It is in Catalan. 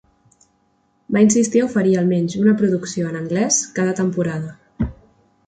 Va insistir a oferir almenys una producció en anglès cada temporada.